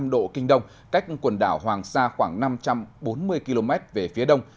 một trăm một mươi bảy năm độ kinh đông cách quần đảo hoàng sa khoảng năm trăm bốn mươi km về phía đông